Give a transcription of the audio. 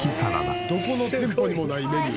どこの店舗にもないメニュー。